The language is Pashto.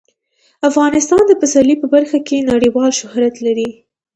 افغانستان د پسرلی په برخه کې نړیوال شهرت لري.